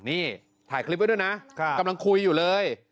นี่ถ่ายคลิปไว้ด้วยนะกำลังคุยอยู่เลย